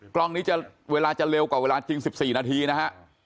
กล้องนี้จะเวลาจะเร็วกว่าเวลาจริง๑๔นาทีนะฮะ